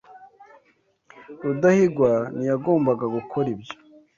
Rudahigwa ntiyagombaga gukora ibyo.